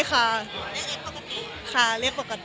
ข่าาเรียกปกติ